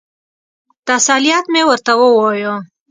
تسلیت مې ورته ووایه.